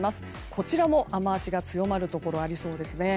こちらも雨脚が強まるところがありそうですね。